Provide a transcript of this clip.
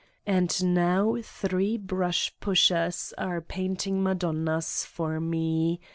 And now three brush pushers are painting Madonnas for me.